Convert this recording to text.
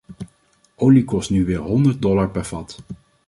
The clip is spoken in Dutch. Olie kost nu weer honderd dollar per vat.